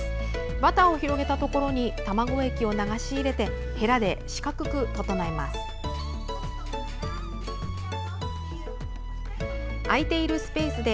バターを広げたところに卵液を流し入れてヘラで四角く整えます。